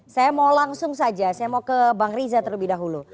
saya mau langsung saja saya mau ke bang riza terlebih dahulu